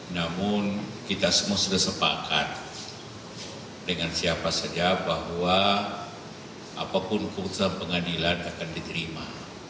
namun kita semua sudah sepakat dengan siapa saja bahwa apapun keputusan pengadilan akan diterima